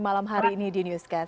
malam hari ini di newscast